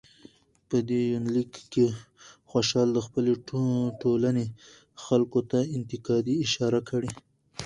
په دې يونليک کې خوشحال د خپلې ټولنې خلکو ته انتقادي اشاره کړى